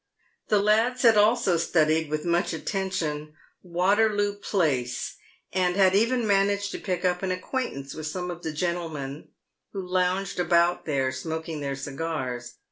The lads had also studied with much attention "Waterloo place, and had even managed 108 PAYED WITH GOLD. to pick up an acquaintance with some of the gentlemen who lounged about there smoking their cigars.